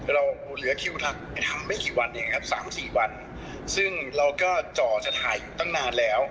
เราเหลือคิวทำไม่กี่วันเองครับสามสี่วันซึ่งเราก็จ่อจะถ่ายอยู่ตั้งนานแล้ว